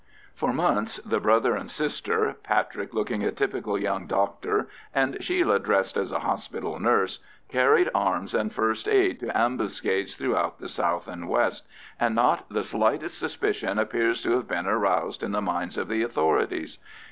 For months the brother and sister—Patrick looking a typical young doctor, and Sheila dressed as a hospital nurse—carried arms and first aid to ambuscades throughout the south and west, and not the slightest suspicion appears to have been aroused in the minds of the authorities.